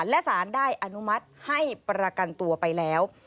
และสารได้อนุมัติให้ประกันตัวไปแล้ว